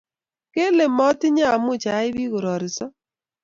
Kele motinye amuch ayai bik kororiso